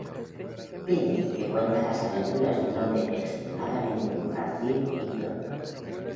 Bean que cuenta las aventuras de un hombre extremadamente infantil y torpe.